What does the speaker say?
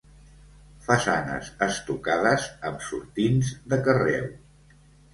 Façanes estucades amb sortints de carreu.